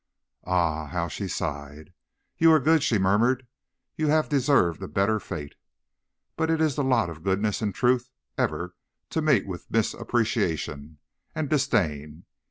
"Ah, how she sighed. "'You are good,' she murmured. 'You have deserved a better fate. But it is the lot of goodness and truth ever to meet with misappreciation and disdain.